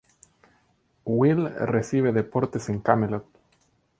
Will recibe deportes en Camelot.